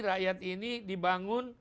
rakyat ini dibangun